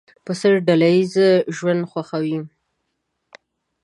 پسه ډله ییز ژوند خوښوي.